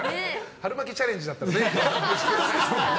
春巻きチャレンジだったらね。